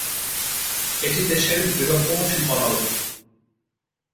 এটি দেশের বৃহত্তম শিল্প নগরী।